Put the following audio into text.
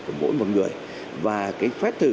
của mỗi một người và cái phép thử